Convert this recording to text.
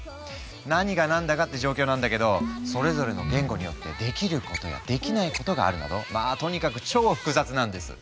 何がなんだかって状況なんだけどそれぞれの言語によってできることやできないことがあるなどまあとにかく超複雑なんです。